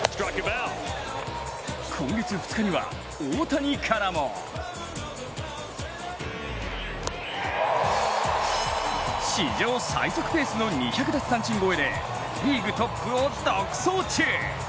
今月２日には大谷からも史上最速ペースの２００奪三振超えでリーグトップを独走中。